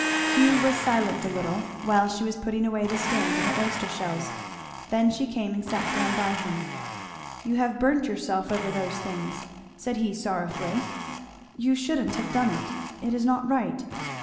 Hugh was silent a little while she was putting away the stand and the oyster shells. Then she came and sat down by him. "You have burnt yourself over those things," said he sorrowfully; "you shouldn't have done it. It is not right."